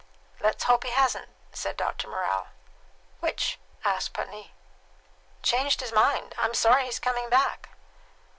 "Let's hope he hasn't," said Dr. Morrell. "Which?" asked Putney. "Changed his mind. I'm sorry he's coming back."